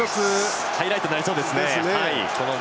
ハイライトになりそうですね。